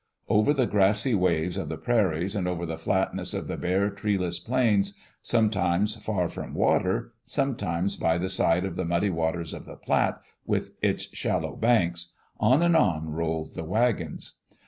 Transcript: Over the grassy waves of the prairies, and over the flatness of the bare, treeless plains, sometimes far from water, sometimes by the side of the muddy waters of the Platte, with its shallow banks — on and on rolled the wagons.